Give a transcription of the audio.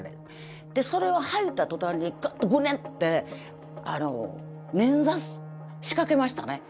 それを履いた途端にカッとグネって捻挫しかけましたね。